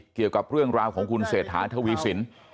เกี่ยวกับเรื่องราวของคุณเศรษฐาทวีสิน